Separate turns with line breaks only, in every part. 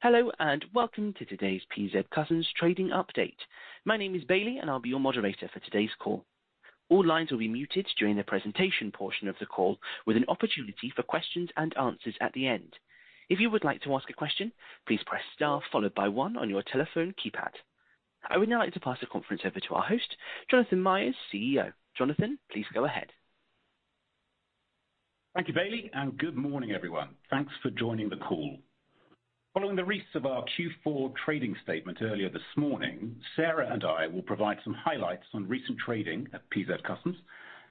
Hello, and welcome to today's PZ Cussons trading update. My name is Bailey, and I'll be your moderator for today's call. All lines will be muted during the presentation portion of the call, with an opportunity for questions and answers at the end. If you would like to ask a question, please press Star, followed by one on your telephone keypad. I would now like to pass the conference over to our host, Jonathan Myers, CEO. Jonathan, please go ahead.
Thank you, Bailey. Good morning, everyone. Thanks for joining the call. Following the release of our Q4 trading statement earlier this morning, Sarah and I will provide some highlights on recent trading at PZ Cussons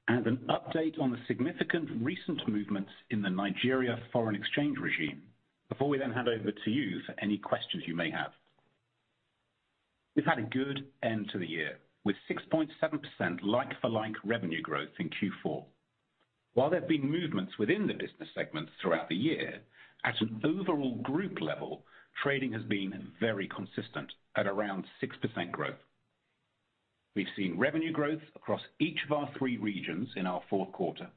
and an update on the significant recent movements in the Nigeria foreign exchange regime, before we then hand over to you for any questions you may have. We've had a good end to the year, with 6.7% like-for-like revenue growth in Q4. While there have been movements within the business segments throughout the year, at an overall group level, trading has been very consistent at around 6% growth. We've seen revenue growth across each of our three regions in our fourth quarter,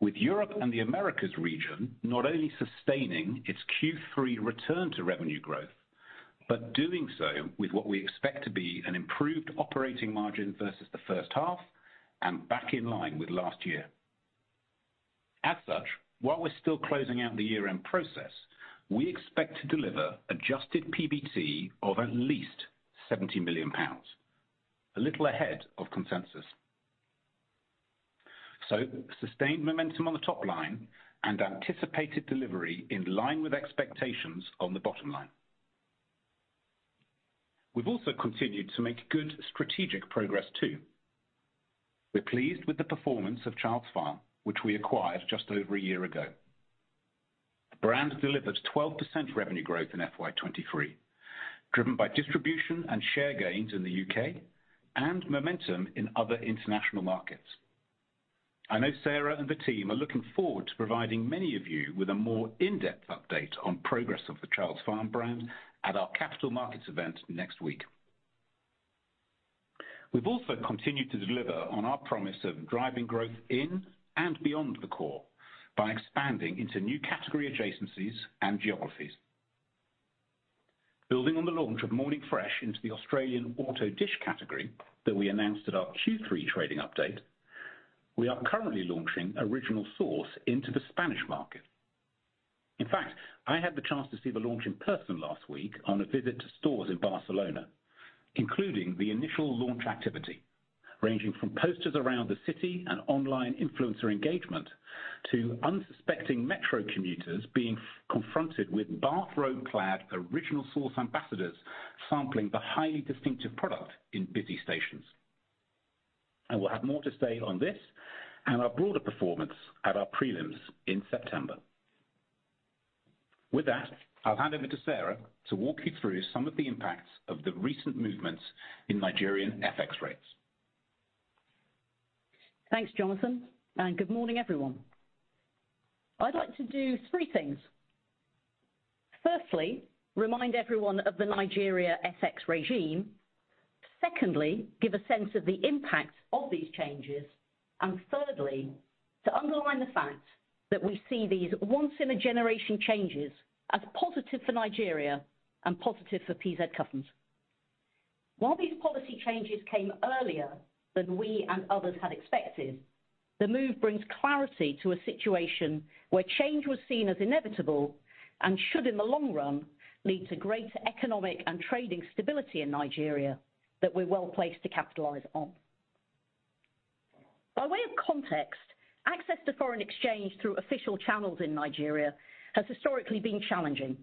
with Europe and the Americas region not only sustaining its Q3 return to revenue growth, but doing so with what we expect to be an improved operating margin versus the first half and back in line with last year. As such, while we're still closing out the year-end process, we expect to deliver adjusted PBT of at least 70 million pounds, a little ahead of consensus. Sustained momentum on the top line and anticipated delivery in line with expectations on the bottom line. We've also continued to make good strategic progress, too. We're pleased with the performance of Childs Farm, which we acquired just over a year ago. The brand delivers 12% revenue growth in FY 2023, driven by distribution and share gains in the U.K. and momentum in other international markets. I know Sarah and the team are looking forward to providing many of you with a more in-depth update on progress of the Childs Farm brand at our capital markets event next week. We've also continued to deliver on our promise of driving growth in and beyond the core by expanding into new category adjacencies and geographies. Building on the launch of Morning Fresh into the Australian auto dishwash category that we announced at our Q3 trading update, we are currently launching Original Source into the Spanish market. In fact, I had the chance to see the launch in person last week on a visit to stores in Barcelona, including the initial launch activity, ranging from posters around the city and online influencer engagement, to unsuspecting metro commuters being confronted with bathrobe-clad Original Source ambassadors sampling the highly distinctive product in busy stations. I will have more to say on this and our broader performance at our prelims in September. I'll hand over to Sarah to walk you through some of the impacts of the recent movements in Nigerian FX rates.
Thanks, Jonathan. Good morning, everyone. I'd like to do three things. Firstly, remind everyone of the Nigeria FX regime. Secondly, give a sense of the impact of these changes. Thirdly, to underline the fact that we see these once-in-a-generation changes as positive for Nigeria and positive for PZ Cussons. These policy changes came earlier than we and others had expected, the move brings clarity to a situation where change was seen as inevitable and should, in the long run, lead to greater economic and trading stability in Nigeria that we're well-placed to capitalize on. By way of context, access to foreign exchange through official channels in Nigeria has historically been challenging,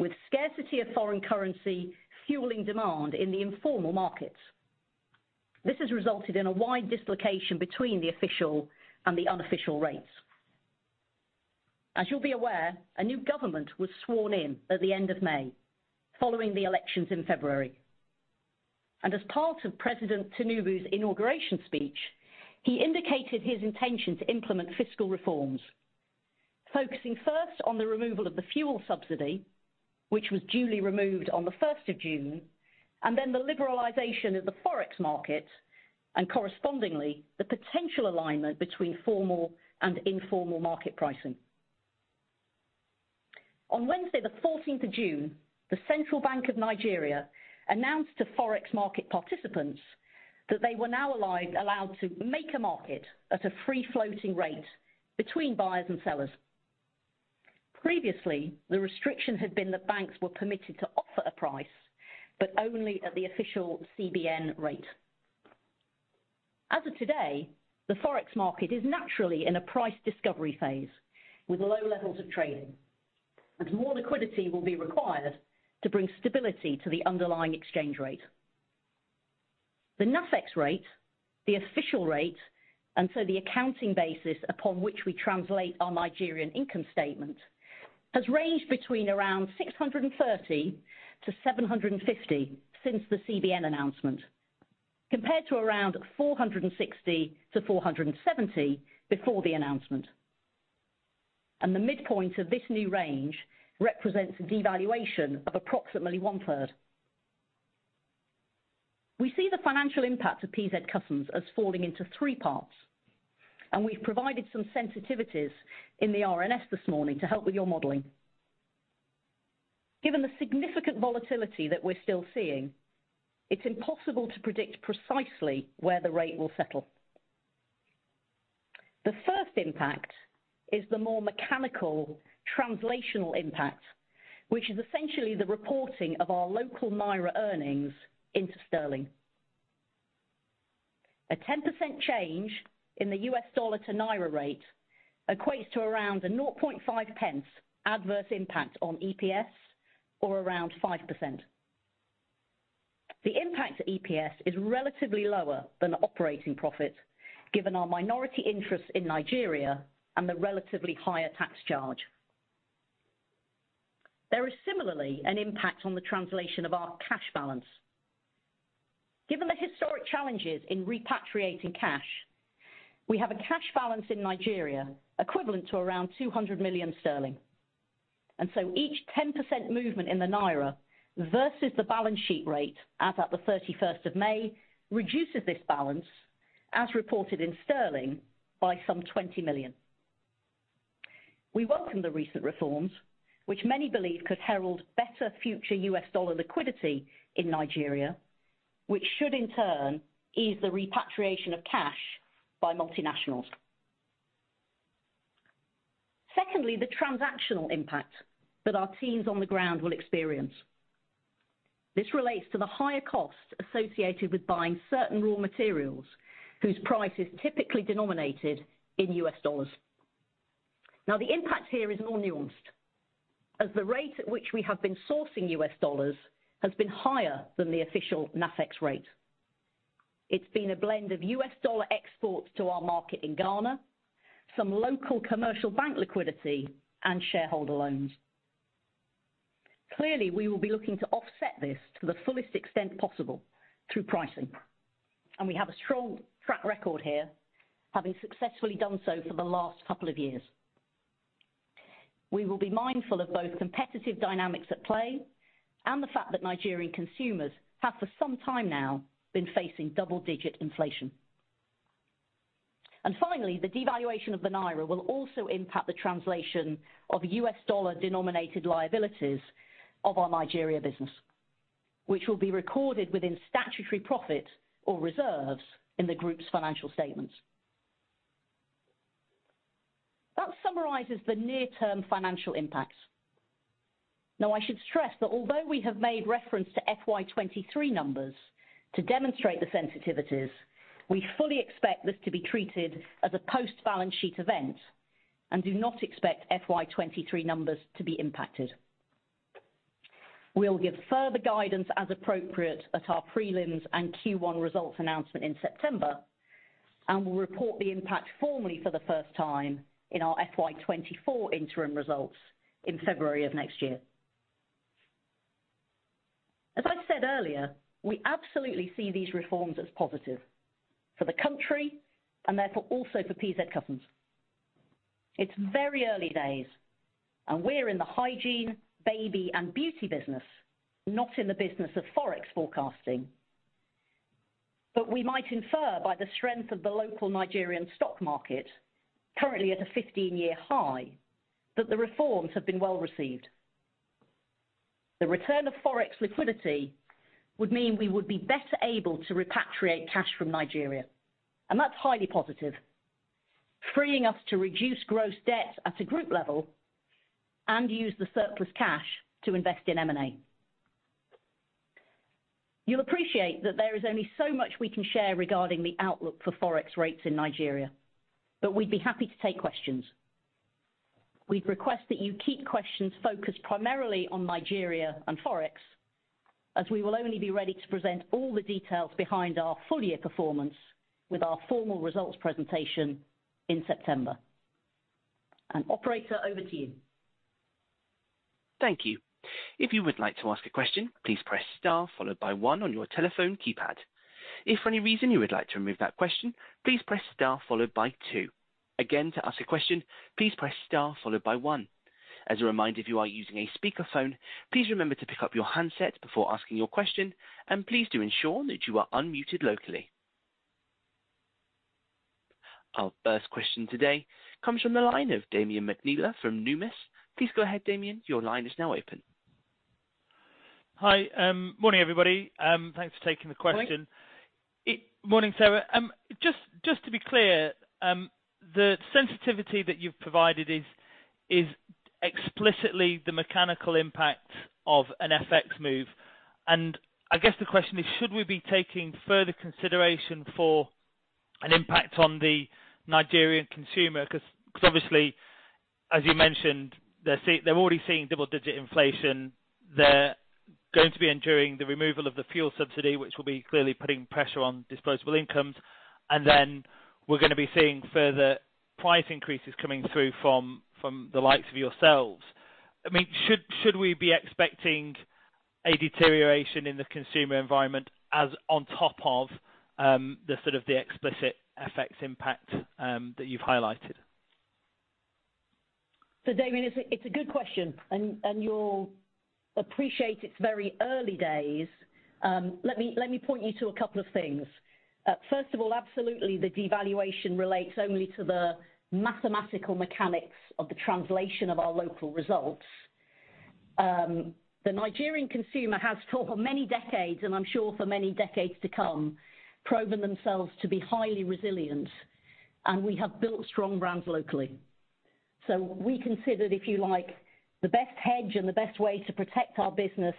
with scarcity of foreign currency fueling demand in the informal markets. This has resulted in a wide dislocation between the official and the unofficial rates. As you'll be aware, a new government was sworn in at the end of May, following the elections in February. As part of President Tinubu's inauguration speech, he indicated his intention to implement fiscal reforms, focusing first on the removal of the fuel subsidy, which was duly removed on the 1st of June, and then the liberalization of the FX market, and correspondingly, the potential alignment between formal and informal market pricing. On Wednesday, the 14th of June, the Central Bank of Nigeria announced to FX market participants that they were now allowed to make a market at a free floating rate between buyers and sellers. Previously, the restriction had been that banks were permitted to offer a price, but only at the official CBN rate. As of today, the FX market is naturally in a price discovery phase with low levels of trading, and more liquidity will be required to bring stability to the underlying exchange rate. The NAFEX rate, the official rate, and so the accounting basis upon which we translate our Nigerian income statement, has ranged between around 630-750 since the CBN announcement, compared to around 460-470 before the announcement. The midpoint of this new range represents a devaluation of approximately one-third. We see the financial impact of PZ Cussons as falling into three parts, and we've provided some sensitivities in the RNS this morning to help with your modeling. Given the significant volatility that we're still seeing, it's impossible to predict precisely where the rate will settle. The first impact is the more mechanical translational impact, which is essentially the reporting of our local Naira earnings into sterling. A 10% change in the U.S. dollar to Naira rate equates to around a 0.005 adverse impact on EPS, or around 5%. The impact to EPS is relatively lower than operating profit, given our minority interest in Nigeria and the relatively higher tax charge. There is similarly an impact on the translation of our cash balance. Given the historic challenges in repatriating cash, we have a cash balance in Nigeria equivalent to around 200 million sterling. Each 10% movement in the Naira versus the balance sheet rate as at the 31st of May, reduces this balance, as reported in sterling, by some 20 million. We welcome the recent reforms, which many believe could herald better future U.S. dollar liquidity in Nigeria, which should in turn ease the repatriation of cash by multinationals. Secondly, the transactional impact that our teams on the ground will experience. This relates to the higher cost associated with buying certain raw materials whose price is typically denominated in U.S. dollars. Now, the impact here is more nuanced, as the rate at which we have been sourcing U.S. dollars has been higher than the official NAFEX rate. It's been a blend of U.S. dollar exports to our market in Ghana, some local commercial bank liquidity and shareholder loans. Clearly, we will be looking to offset this to the fullest extent possible through pricing, and we have a strong track record here, having successfully done so for the last couple of years. We will be mindful of both competitive dynamics at play and the fact that Nigerian consumers have for some time now been facing double-digit inflation. Finally, the devaluation of the Naira will also impact the translation of U.S. dollar-denominated liabilities of our Nigeria business, which will be recorded within statutory profit or reserves in the group's financial statements. That summarizes the near-term financial impacts. I should stress that although we have made reference to FY 2023 numbers to demonstrate the sensitivities, we fully expect this to be treated as a post-balance sheet event and do not expect FY 2023 numbers to be impacted. We'll give further guidance as appropriate at our prelims and Q1 results announcement in September. We'll report the impact formally for the first time in our FY 2024 interim results in February of next year. As I said earlier, we absolutely see these reforms as positive for the country and therefore also for PZ Cussons. It's very early days and we're in the hygiene, baby, and beauty business, not in the business of FX forecasting. We might infer by the strength of the local Nigerian stock market, currently at a 15-year high, that the reforms have been well received. The return of FX liquidity would mean we would be better able to repatriate cash from Nigeria, and that's highly positive, freeing us to reduce gross debt at a group level and use the surplus cash to invest in M&A. You'll appreciate that there is only so much we can share regarding the outlook for FX rates in Nigeria, but we'd be happy to take questions. We'd request that you keep questions focused primarily on Nigeria and FX, as we will only be ready to present all the details behind our full year performance with our formal results presentation in September. Operator, over to you.
Thank you. If you would like to ask a question, please press star followed by one on your telephone keypad. If for any reason you would like to remove that question, please press star followed by two. Again, to ask a question, please press star followed by one. As a reminder, if you are using a speakerphone, please remember to pick up your handset before asking your question. Please do ensure that you are unmuted locally. Our first question today comes from the line of Damian McNeela from Numis. Please go ahead, Damian. Your line is now open.
Hi, morning, everybody. Thanks for taking the question.
Morning.
Morning, Sarah. Just to be clear, the sensitivity that you've provided is explicitly the mechanical impact of an FX move. I guess the question is: Should we be taking further consideration for an impact on the Nigerian consumer? 'Cause obviously, as you mentioned, they're already seeing double-digit inflation. They're going to be enduring the removal of the fuel subsidy, which will be clearly putting pressure on disposable incomes, and then we're gonna be seeing further price increases coming through from the likes of yourselves. I mean, should we be expecting a deterioration in the consumer environment as on top of the sort of the explicit FX impact that you've highlighted?
Damian, it's a good question, and you'll appreciate it's very early days. Let me point you to a couple of things. First of all, absolutely, the devaluation relates only to the mathematical mechanics of the translation of our local results. The Nigerian consumer has for many decades, and I'm sure for many decades to come, proven themselves to be highly resilient, and we have built strong brands locally. We considered, if you like, the best hedge and the best way to protect our business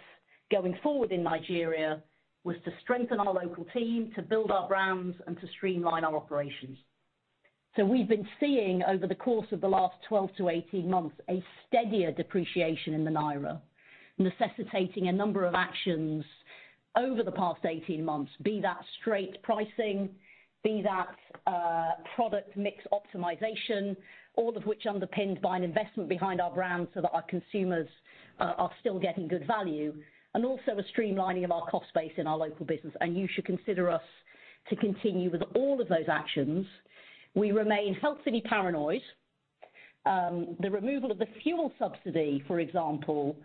going forward in Nigeria, was to strengthen our local team, to build our brands, and to streamline our operations. We've been seeing over the course of the last 12-18 months, a steadier depreciation in the Naira, necessitating a number of actions over the past 18 months, be that straight pricing, be that product mix optimization. All of which underpinned by an investment behind our brand, so that our consumers are still getting good value, and also a streamlining of our cost base in our local business. You should consider us to continue with all of those actions. We remain healthily paranoid. The removal of the fuel subsidy, for example,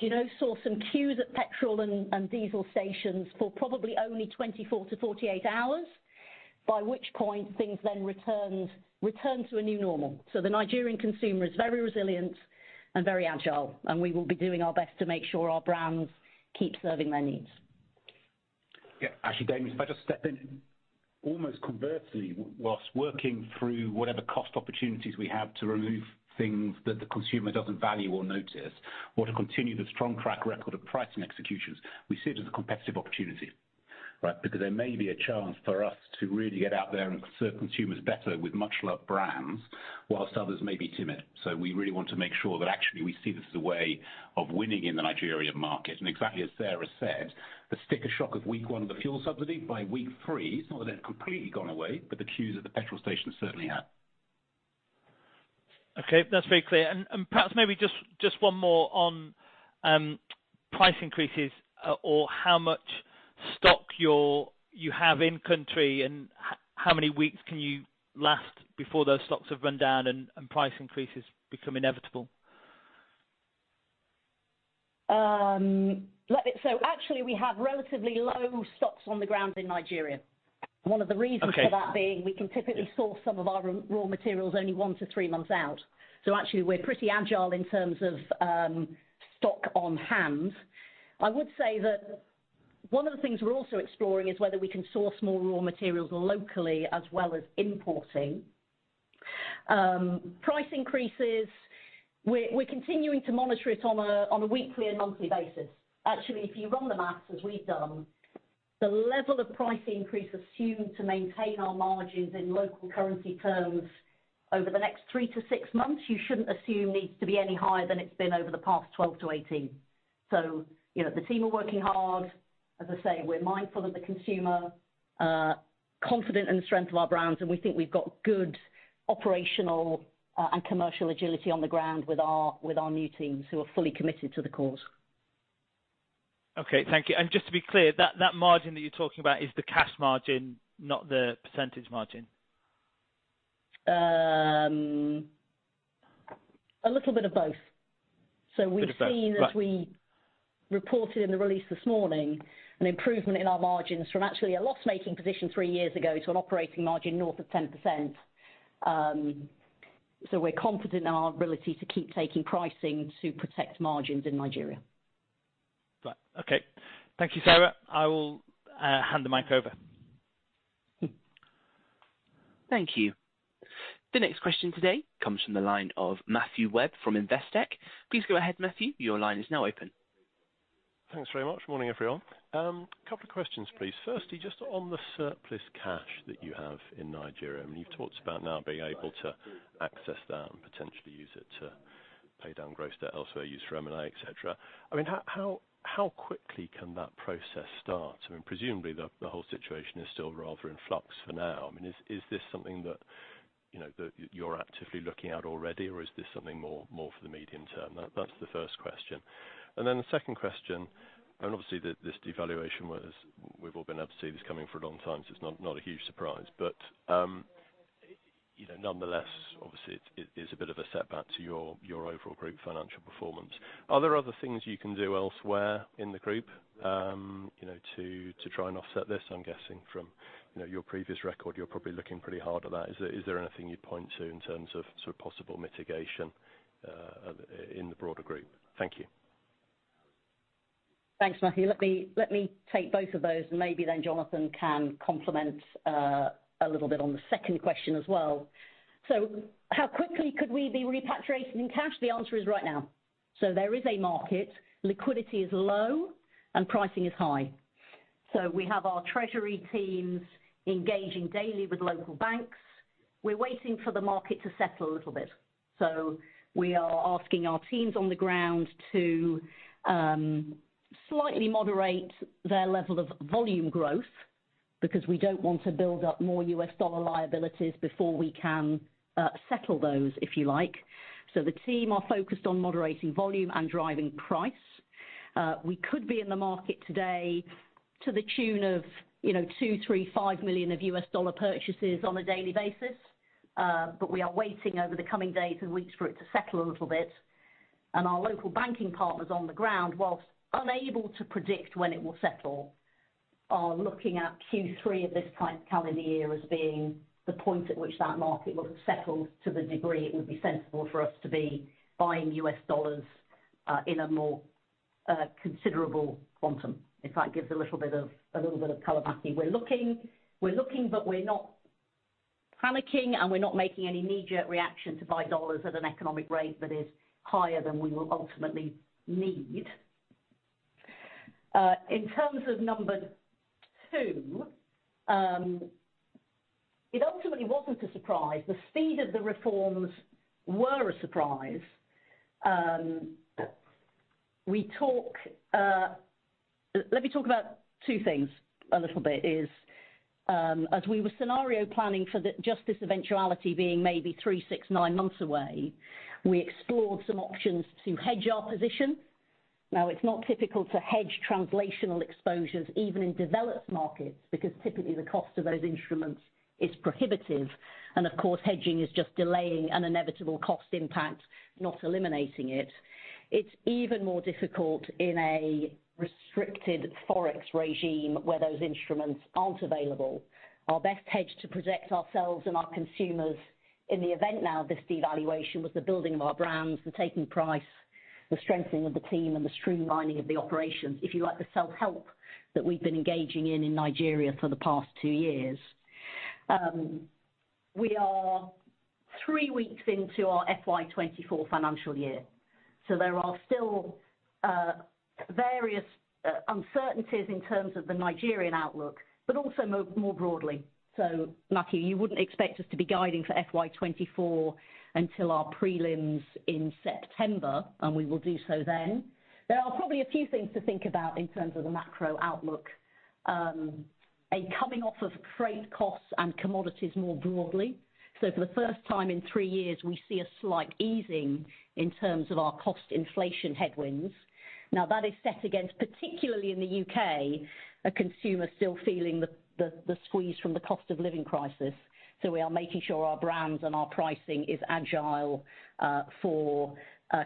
you know, saw some queues at petrol and diesel stations for probably only 24-48 hours, by which point things then returned to a new normal. The Nigerian consumer is very resilient and very agile, and we will be doing our best to make sure our brands keep serving their needs.
Yeah. Actually, Damian, if I just step in. Almost conversely, while working through whatever cost opportunities we have to remove things that the consumer doesn't value or notice, or to continue the strong track record of pricing executions, we see it as a competitive opportunity, right? There may be a chance for us to really get out there and serve consumers better with much-loved brands, while others may be timid. We really want to make sure that actually we see this as a way of winning in the Nigerian market. Exactly as Sarah said, the sticker shock of week one of the fuel subsidy, by week three, it's not that it's completely gone away, but the queues at the petrol station certainly have.
Okay, that's very clear. Perhaps maybe just one more on price increases, or how much stock you have in country, and how many weeks can you last before those stocks have run down and price increases become inevitable?
Actually, we have relatively low stocks on the ground in Nigeria.
Okay.
One of the reasons for that being, we can typically source some of our raw materials only one to three months out. Actually, we're pretty agile in terms of stock on hand. I would say that one of the things we're also exploring is whether we can source more raw materials locally as well as importing. Price increases, we're continuing to monitor it on a weekly and monthly basis. Actually, if you run the math as we've done, the level of price increase assumed to maintain our margins in local currency terms over the next three to six months, you shouldn't assume needs to be any higher than it's been over the past 12-18. You know, the team are working hard. As I say, we're mindful of the consumer, confident in the strength of our brands, and we think we've got good operational and commercial agility on the ground with our new teams, who are fully committed to the cause.
Okay, thank you. Just to be clear, that margin that you're talking about is the cash margin, not the percentage margin?
A little bit of both.
Bit of both, right.
We've seen, as we reported in the release this morning, an improvement in our margins from actually a loss-making position three years ago, to an operating margin north of 10%. We're confident in our ability to keep taking pricing to protect margins in Nigeria.
Okay. Thank you, Sarah. I will hand the mic over.
Thank you. The next question today comes from the line of Matthew Webb from Investec. Please go ahead, Matthew, your line is now open.
Thanks very much. Morning, everyone. A couple of questions, please. Firstly, just on the surplus cash that you have in Nigeria, I mean, you've talked about now being able to access that and potentially use it to pay down gross debt elsewhere, use for M&A, et cetera. I mean, how quickly can that process start? I mean, presumably the whole situation is still rather in flux for now. I mean, is this something that, you know, that you're actively looking at already, or is this something more for the medium term? That's the first question. Then the second question. Obviously, this devaluation was, we've all been able to see this coming for a long time, so it's not a huge surprise. You know, nonetheless, obviously it is a bit of a setback to your overall group financial performance. Are there other things you can do elsewhere in the group, you know, to try and offset this? I'm guessing from, you know, your previous record, you're probably looking pretty hard at that. Is there anything you'd point to in terms of sort of possible mitigation in the broader group? Thank you.
Thanks, Matthew. Let me take both of those, and maybe then Jonathan can complement a little bit on the second question as well. How quickly could we be repatriating cash? The answer is right now. There is a market, liquidity is low, and pricing is high. We have our treasury teams engaging daily with local banks. We're waiting for the market to settle a little bit, so we are asking our teams on the ground to slightly moderate their level of volume growth, because we don't want to build up more U.S. dollar liabilities before we can settle those, if you like. The team are focused on moderating volume and driving price. We could be in the market today to the tune of, you know, $2 million, $3 million, $5 million of U.S. dollar purchases on a daily basis. We are waiting over the coming days and weeks for it to settle a little bit. Our local banking partners on the ground, whilst unable to predict when it will settle, are looking at Q3 of this current calendar year as being the point at which that market will have settled to the degree it would be sensible for us to be buying USD in a more considerable quantum. If that gives a little bit of color, Matthew. We're looking, but we're not panicking, and we're not making any knee-jerk reaction to buy USD at an economic rate that is higher than we will ultimately need. In terms of number two, it ultimately wasn't a surprise. The speed of the reforms were a surprise. We talk. Let me talk about two things a little bit, is, as we were scenario planning for the, just this eventuality being maybe three, six, nine months away, we explored some options to hedge our position. Now, it's not typical to hedge translational exposures, even in developed markets, because typically the cost of those instruments is prohibitive, and of course, hedging is just delaying an inevitable cost impact, not eliminating it. It's even more difficult in a restricted FX regime where those instruments aren't available. Our best hedge to protect ourselves and our consumers in the event now of this devaluation, was the building of our brands, the taking price, the strengthening of the team, and the streamlining of the operations. If you like, the self-help that we've been engaging in Nigeria for the past two years. We are three weeks into our FY 2024 financial year, there are still various uncertainties in terms of the Nigerian outlook, but also more broadly. Matthew, you wouldn't expect us to be guiding for FY 2024 until our prelims in September, and we will do so then. There are probably a few things to think about in terms of the macro outlook. A coming off of freight costs and commodities more broadly. For the first time in three years, we see a slight easing in terms of our cost inflation headwinds. Now, that is set against, particularly in the U.K., a consumer still feeling the squeeze from the cost of living crisis. We are making sure our brands and our pricing is agile for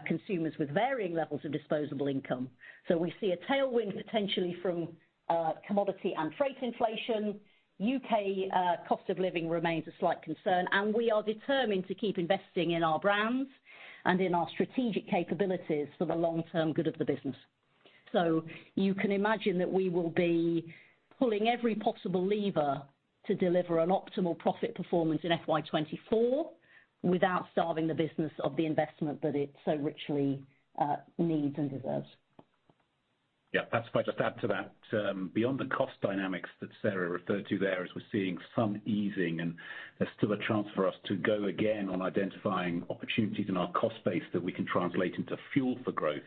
consumers with varying levels of disposable income. We see a tailwind potentially from commodity and freight inflation. U.K. cost of living remains a slight concern, and we are determined to keep investing in our brands and in our strategic capabilities for the long term good of the business. You can imagine that we will be pulling every possible lever to deliver an optimal profit performance in FY 2024, without starving the business of the investment that it so richly needs and deserves.
If I just add to that, beyond the cost dynamics that Sarah referred to there, as we're seeing some easing and there's still a chance for us to go again on identifying opportunities in our cost base that we can translate into fuel for growth.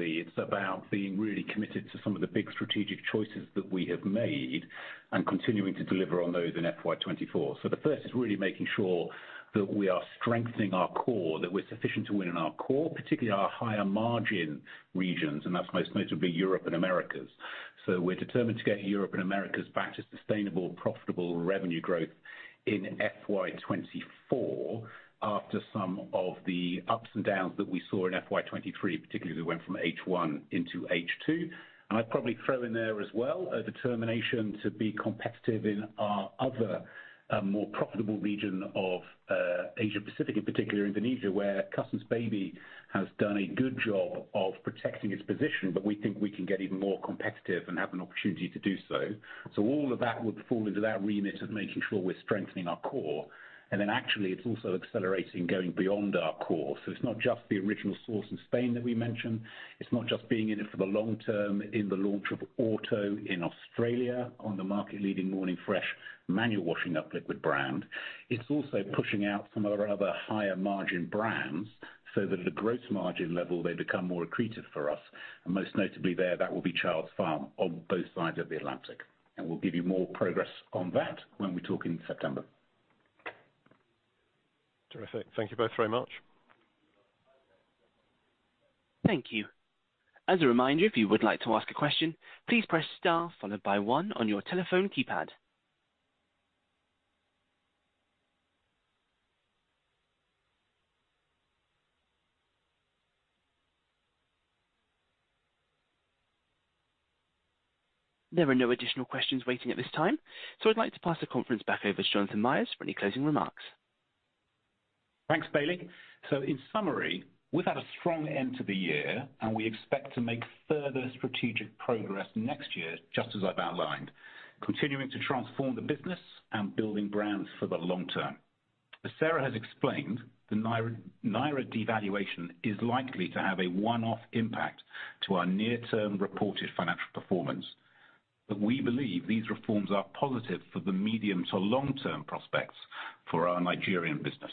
It's about being really committed to some of the big strategic choices that we have made and continuing to deliver on those in FY 2024. The first is really making sure that we are strengthening our core, that we're sufficient to win in our core, particularly our higher margin regions, and that's most notably Europe and Americas. We're determined to get Europe and Americas back to sustainable, profitable revenue growth in FY 2024, after some of the ups and downs that we saw in FY 2023, particularly as we went from H1 into H2. I'd probably throw in there as well, a determination to be competitive in our other, more profitable region of Asia Pacific, in particular Indonesia, where Cussons Baby has done a good job of protecting its position, but we think we can get even more competitive and have an opportunity to do so. All of that would fall into that remit of making sure we're strengthening our core. Actually, it's also accelerating, going beyond our core. It's not just the Original Source in Spain that we mentioned. It's not just being in it for the long term in the launch of Auto in Australia on the market-leading Morning Fresh manual washing up liquid brand. It's also pushing out some of our other higher margin brands so that at a gross margin level, they become more accretive for us. Most notably there, that will be Childs Farm on both sides of the Atlantic, and we'll give you more progress on that when we talk in September.
Terrific. Thank you both very much.
Thank you. As a reminder, if you would like to ask a question, please press star followed by one on your telephone keypad. There are no additional questions waiting at this time, I'd like to pass the conference back over to Jonathan Myers for any closing remarks.
Thanks, Bailey. In summary, we've had a strong end to the year, and we expect to make further strategic progress next year, just as I've outlined, continuing to transform the business and building brands for the long term. As Sarah has explained, the Naira devaluation is likely to have a one-off impact to our near-term reported financial performance, we believe these reforms are positive for the medium to long-term prospects for our Nigerian business.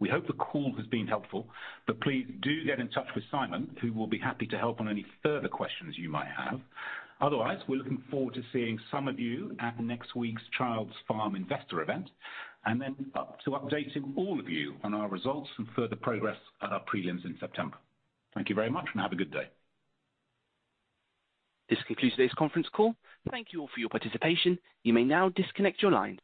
We hope the call has been helpful, please do get in touch with Simon, who will be happy to help on any further questions you might have. We're looking forward to seeing some of you at next week's Childs Farm Investor event, up to updating all of you on our results and further progress at our prelims in September. Thank you very much, have a good day.
This concludes today's conference call. Thank you all for your participation. You may now disconnect your line.